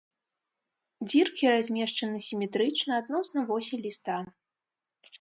Дзіркі размешчаны сіметрычна адносна восі ліста.